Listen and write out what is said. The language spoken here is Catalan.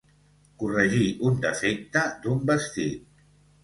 Corregir un defecte d'un vestit.